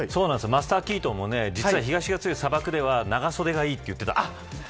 マスター・キートンも実は日差しが強い砂漠では長袖がいいと言ってた。